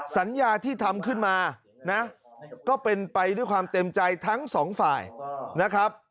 สัญญาที่ทำขึ้นมานะก็เป็นไปด้วยความเต็มใจทั้งสองฝ่ายนะครับ